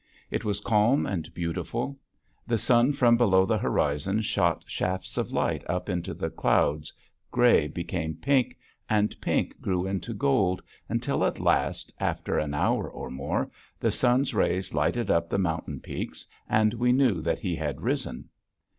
It was calm and beautiful. The sun from below the horizon shot shafts of light up into the clouds, gray became pink, and pink grew into gold until at last after an hour or more the sun's rays lighted up the mountain peaks, and we knew that he had risen.